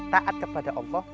taat kepada allah